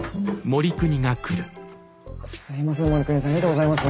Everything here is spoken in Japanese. すいません護国さんありがとうございます。